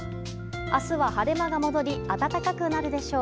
明日は晴れ間が戻り暖かくなるでしょう。